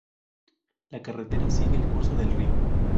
La carretera sigue el curso del río.